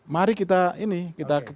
mari kita ini kita berkata